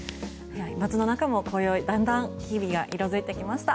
街の中もだんだん色づいてきました。